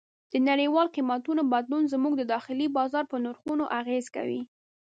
د نړیوالو قیمتونو بدلون زموږ د داخلي بازار په نرخونو اغېز کوي.